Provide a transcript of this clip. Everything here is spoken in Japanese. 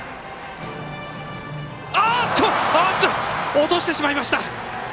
落としてしまいました！